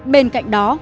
bên cạnh đó